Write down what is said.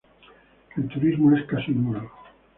El turismo es casi nulo.